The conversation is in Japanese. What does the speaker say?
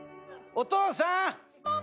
お父さーん！」。